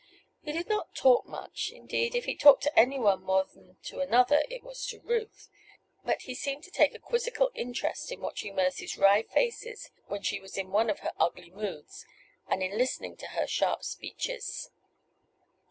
He did not talk much. Indeed, if he talked to anyone more than to another it was to Ruth; but he seemed to take a quizzical interest in watching Mercy's wry faces when she was in one of her ugly moods, and in listening to her sharp speeches.